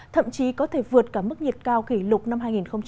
thậm chí có thể vượt cả mức nhiệt cao kỷ lục năm hai nghìn một mươi sáu